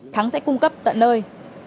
thắng sẽ cung cấp tận nơi